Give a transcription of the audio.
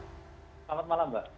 selamat malam mbak